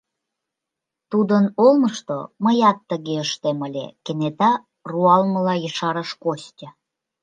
Тудын олмышто мыят тыге ыштем ыле! — кенета руалмыла ешарыш Костя.